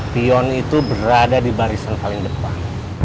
pion itu berada di barisan paling depan